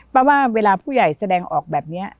เพราะว่าเวลาผู้ใหญ่แสดงออกแบบนี้